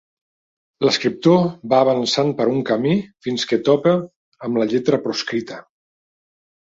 L'escriptor va avançant per un camí fins que topa amb la lletra proscrita.